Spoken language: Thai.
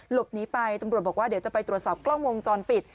หลบหนีไปตำรวจบอกว่าเดี๋ยวจะไปตรวจสอบกล้องวงจรปิด